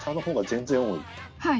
はい。